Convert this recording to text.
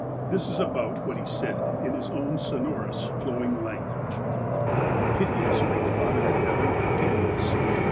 '' This is about what he said, in his own sonorous, flow ing language :" 'Pity us, Great Father in heaven, pity us.